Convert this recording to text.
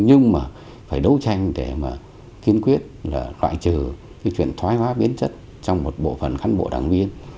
nhưng mà phải đấu tranh để kiên quyết loại trừ chuyện thoái hóa biến chất trong một bộ phần khăn bộ đảng viên